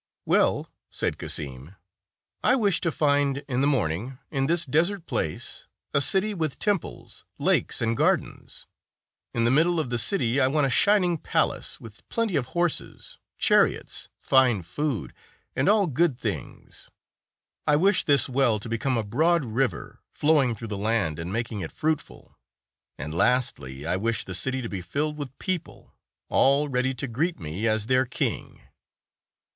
182 "Well," said Cassini, "I wish to find, in the morning, in this desert place, a .city with temples, lakes, and gardens. In the middle of the city, I want a shining palace with plenty of horses, chariots, fine food, and all good things. I wish this well to become a broad river, flowing through the land and making it fruitful; and lastly, I wish the city to be filled with people, all ready to greet me as their king."